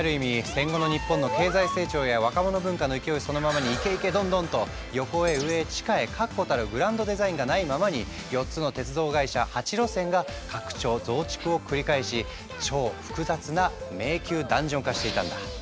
戦後の日本の経済成長や若者文化の勢いそのままにイケイケドンドンと横へ上へ地下へ確固たるグランドデザインがないままに４つの鉄道会社８路線が拡張増築を繰り返し超複雑な迷宮ダンジョン化していたんだ。